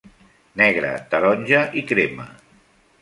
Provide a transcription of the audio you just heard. Negre, taronja i crema.